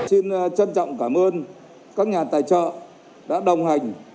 xin trân trọng cảm ơn các nhà tài trợ đã đồng hành